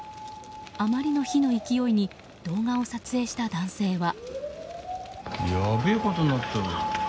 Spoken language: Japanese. あまりの火の勢いに動画を撮影した男性は。